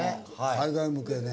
海外向けね。